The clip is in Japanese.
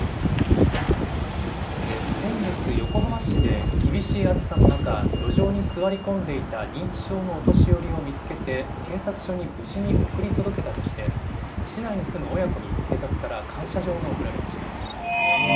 さて、先月、横浜市で厳しい暑さの中、路上に座り込んでいた認知症のお年寄りを見つけて警察署に無事に送り届けたとして、市内に住む親子に警察から感謝状が贈られました。